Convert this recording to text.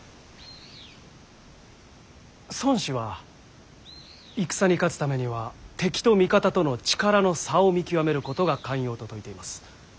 孫子は戦に勝つためには敵と味方との力の差を見極めることが肝要と説いています。